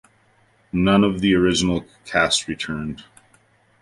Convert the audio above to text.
None of the original cast returned.